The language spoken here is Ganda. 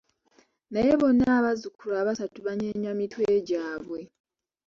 Naye bonna abazukulu abasaatu banyenya mitwe gyabwe.